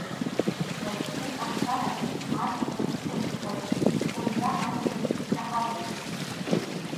Уаҵәтәи ашарагь ашәахәац хысхуеит, схәыҷра аччабжьгьы саҳауеит…